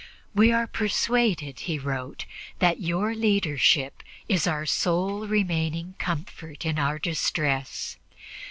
"We are persuaded," he wrote, "that your leadership is our sole remaining comfort in our distress.